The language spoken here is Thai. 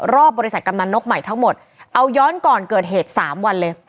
รอบบริษัทกำนันนกใหม่ทั้งหมดเอาย้อนก่อนเกิดเหตุสามวันเลย